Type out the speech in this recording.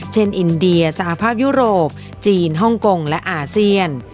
อินเดียสหภาพยุโรปจีนฮ่องกงและอาเซียน